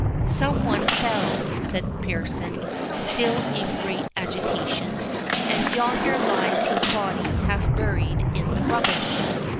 "Some one fell," said Pearson, still in great agitation, "and yonder lies his body half buried in the rubbish."